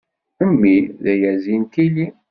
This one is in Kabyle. Mmi d ayazi n tili.